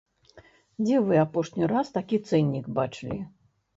Дзе вы апошні раз такі цэннік бачылі?